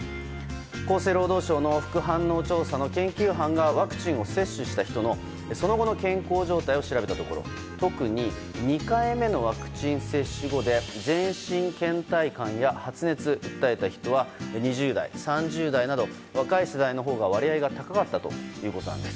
厚生労働省の副反応調査の研究班がワクチンを接種した人のその後の健康状態を調べたところ特に２回目のワクチン接種後で全身倦怠感や発熱を訴えた人は２０代、３０代など若い世代のほうが割合が高かったということなんです。